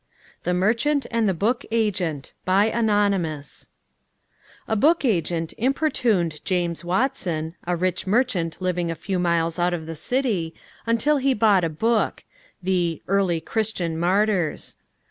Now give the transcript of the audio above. THE MERCHANT AND THE BOOK AGENT ANONYMOUS A book agent importuned James Watson, a rich merchant living a few miles out of the city, until he bought a book, the "Early Christian Martyrs."